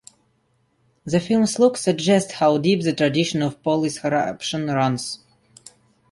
The film's look suggests how deep the tradition of police corruption runs.